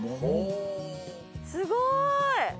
すごい！